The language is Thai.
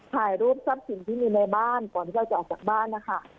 ถ่ายรูปทรัพย์สินที่มีในบ้านก่อนที่เราจะออกจากบ้านนะคะ